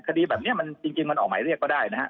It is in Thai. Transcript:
คดีแบบนี้มันจริงมันออกหมายเรียกก็ได้นะฮะ